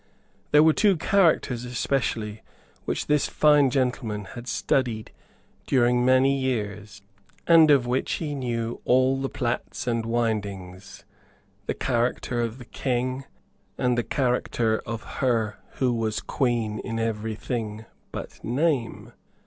There were two characters especially which this fine gentleman had studied during many years, and of which he knew all the plaits and windings, the character of the King, and the character of her who was Queen in every thing but name.